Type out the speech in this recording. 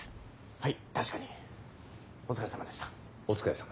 はい。